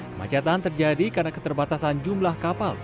kemacetan terjadi karena keterbatasan jumlah kapal